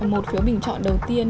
một phiếu bình chọn đầu tiên